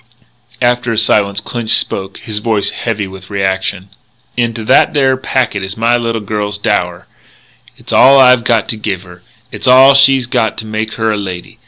After a silence, Clinch spoke, his voice heavy with reaction: "Into that there packet is my little girl's dower. It's all I got to give her. It's all she's got to make her a lady.